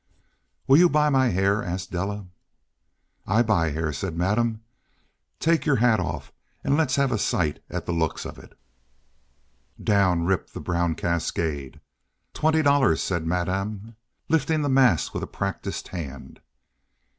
"Will you buy my hair?" asked Della. "I buy hair," said Madame. "Take yer hat off and let's have a sight at the looks of it." Down rippled the brown cascade. "Twenty dollars," said Madame, lifting the mass with a practised hand.